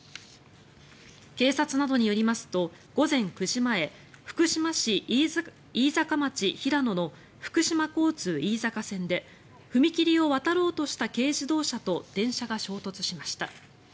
警察などによりますと午前９時前福島市飯坂町平野の福島交通飯坂線で踏切を渡ろうとした軽自動車と電車が衝突しました。